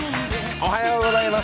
おはようございます。